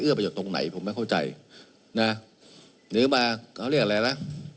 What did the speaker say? ลืมปะเอาเลี่ยวอะไรละ